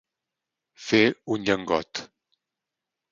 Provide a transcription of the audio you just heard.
Fer un llengot.